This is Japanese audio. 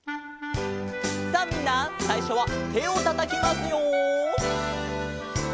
さあみんなさいしょはてをたたきますよ。